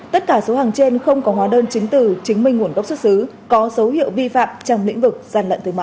tất cả số hàng trên không có hóa đơn chứng từ chứng minh nguồn gốc xuất xứ có dấu hiệu vi phạm trong lĩnh vực gian lận thương mại